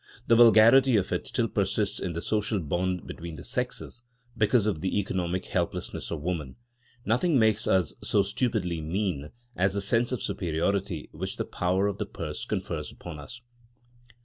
The vulgarity of it still persists in the social bond between the sexes because of the economic helplessness of woman. Nothing makes us so stupidly mean as the sense of superiority which the power of the purse confers upon us.